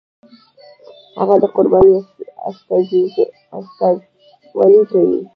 هغه د قربانۍ استازولي کوي.